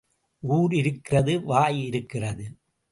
ஊர் இருக்கிறது வாய் இருக்கிறது.